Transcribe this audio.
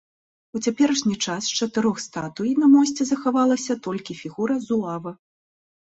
У цяперашні час з чатырох статуй на мосце захавалася толькі фігура зуава.